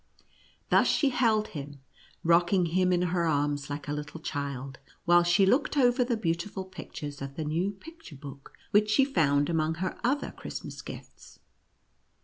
Thus she held him, rocking him in her arms like a little child, while she looked over the beautiful pictures of the new picture book, which she found among her other Christmas gifts.